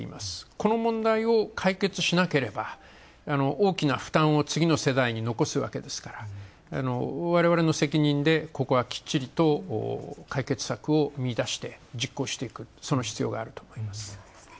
この問題を解決しなければ、大きな負担を次の世代に残すわけですからわれわれの責任で、きっちりと解決策を見いだして実行していくその必要があると思います。